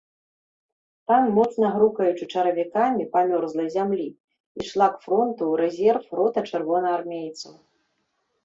Там, моцна грукаючы чаравікамі па мёрзлай зямлі, ішла к фронту ў рэзерв рота чырвонаармейцаў.